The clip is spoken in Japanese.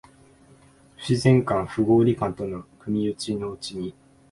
不自然感、不合理感との組打ちのうちに、